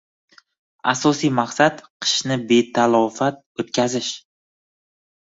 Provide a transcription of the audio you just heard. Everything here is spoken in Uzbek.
Asosiy maqsad – qishni betalofat o‘tkazish